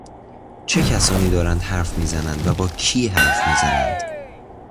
چه کسانی دارند حرف میزنند و با کی حرف میزنند؟